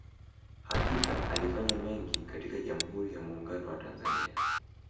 Hakika alifanya mengi katika Jamuhuri ya Muuungano wa Tanzania